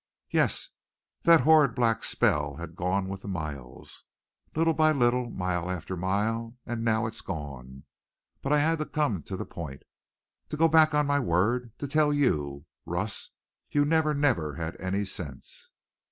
"Yes. That horrid black spell had gone with the miles. Little by little, mile after mile, and now it's gone! But I had to come to the point. To go back on my word! To tell you. Russ, you never, never had any sense!"